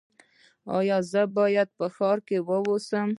ایا زه باید په ښار کې اوسم؟